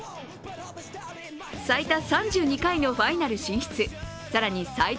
最多３２回のファイナル進出更に最多